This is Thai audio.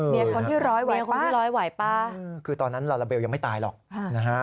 มีคนที่ร้อยไหวป้าร้อยไหวป่ะคือตอนนั้นลาลาเบลยังไม่ตายหรอกนะฮะ